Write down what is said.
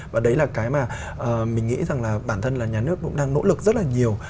và đấy là cái mà mình nghĩ rằng là bản thân là nhà nước cũng đang nỗ lực rất là nhiều